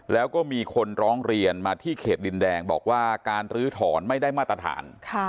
แล้วก็มีคนร้องเรียนมาที่เขตดินแดงบอกว่าการลื้อถอนไม่ได้มาตรฐาน